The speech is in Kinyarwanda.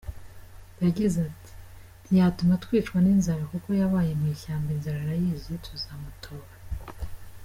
Yagize ati “Ntiyatuma twicwa n’inzara kuko yabaye mu ishyamba inzara arayizi, tuzamutora.